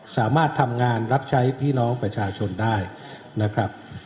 สามารถทำงานรับใช้พี่น้องประชาชนได้นะครับ